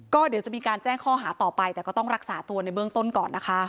ก็เดี๋ยวจะมีการแจ้งข้อหาต่อไปแต่ก็ต้องรักษาตัวในเบื้องต้นก่อนนะคะ